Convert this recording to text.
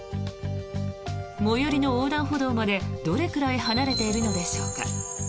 最寄りの横断歩道までどれくらい離れているのでしょうか。